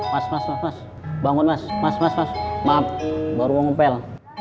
mas bangun mas mas mas mas maaf baru mau ngumpel